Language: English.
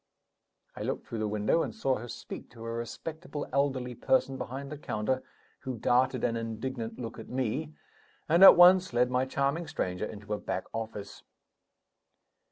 I looked through the window, and saw her speak to a respectable elderly person behind the counter, who darted an indignant look at me, and at once led my charming stranger into a back office.